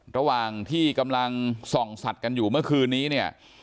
ระหว่างที่กำลังส่องสัตว์กันอยู่เมื่อคืนนี้เนี่ย